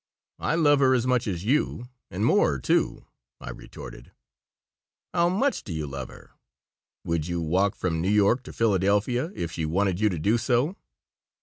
"I love her as much as you, and more, too," I retorted "How much do you love her? Would you walk from New York to Philadelphia if she wanted you to do so?"